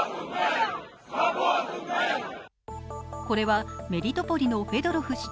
これはメリトポリのフェドロフ